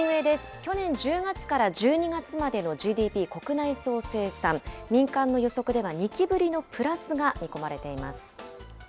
去年１０月から１２月までのＧＤＰ・国内総生産、民間の予測では２期ぶりのプラスが見込まれています。